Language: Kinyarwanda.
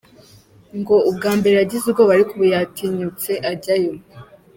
Ngo ubwa mbere yagize ubwoba ariko ubu yatinyutse ajyayo!